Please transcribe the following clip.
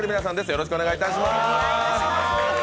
よろしくお願いします。